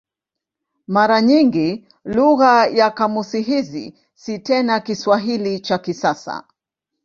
Mara nyingi lugha ya kamusi hizi si tena Kiswahili cha kisasa.